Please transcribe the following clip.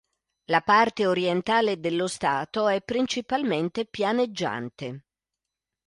La parte orientale dello stato è principalmente pianeggiante.